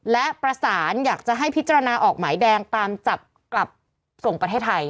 และประสานอยากจะให้พิจารณาออกหมายแดงตามจับกลับส่งประเทศไทย